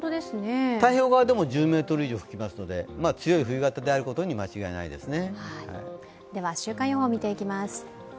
太平洋側でも１０メートル以上吹きますので強い冬型であることに間違いないですね。